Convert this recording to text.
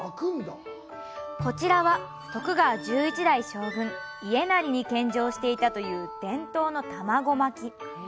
こちらは、徳川１１代将軍・家斉に献上していたという伝統の玉子巻き。